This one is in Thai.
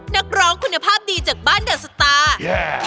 นักร้องคุณภาพดีจากบ้านเดอร์สตาร์